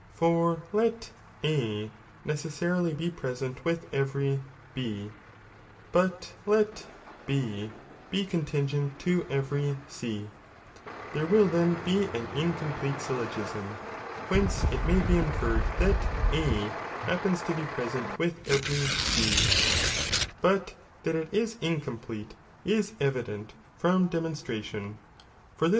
For let A necessarily be ^oi'£^"ntm present with every B, but let B be contingent to »^ concin every C, there will then be an incomplete syllo '"' gisin, whence it may be inferred that A happens to he present with every C ; but that it is incomplete, is evident from de ; M.